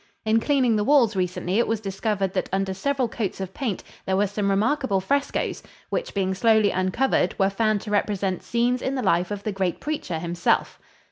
In cleaning the walls recently, it was discovered that under several coats of paint there were some remarkable frescoes which, being slowly uncovered, were found to represent scenes in the life of the great preacher himself.